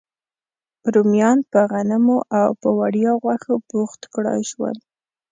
رومیان په غنمو او په وړیا غوښو بوخت کړای شول.